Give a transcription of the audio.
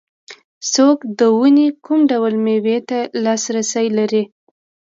څوک د ونې کوم ډول مېوې ته لاسرسی لري.